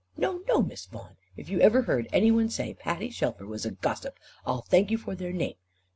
No, no, Miss Vaughan; if you ever heard any one say Patty Shelfer was a 'gossip,' I'll thank you for their name.